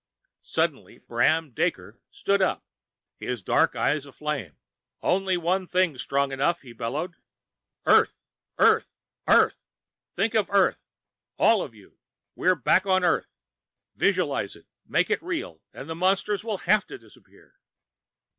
Suddenly Bram Daker stood up, his dark eyes aflame. "Only one thing's strong enough!" he bellowed. "Earth! Earth! EARTH! Think of Earth! All of you! We're back on Earth. Visualize it, make it real, and the monsters'll have to disappear."